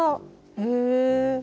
へえ。